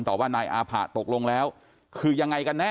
ว่านายอาผะตกลงแล้วคือยังไงกันแน่